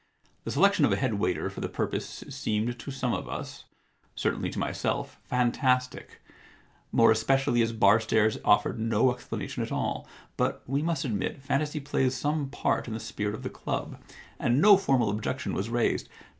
* The selection of a head waiter for the purpose seemed to some of us — certainly to myself — fantastic, more especially as Barstairs offered no explanation at all. But, we must admit, fantasy plays some part in the spirit of the club, and no formal objection was raised.